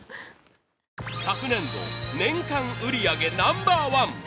昨年度年間売り上げナンバーワン。